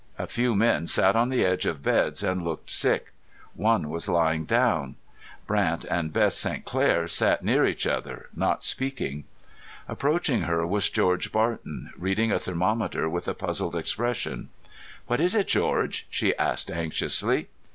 A few men sat on the edge of beds and looked sick. One was lying down. Brant and Bess St. Clair sat near each other, not speaking. Approaching her was George Barton, reading a thermometer with a puzzled expression. "What is it, George?" she asked anxiously.